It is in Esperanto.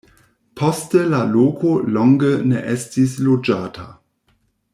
Poste la loko longe ne estis loĝata.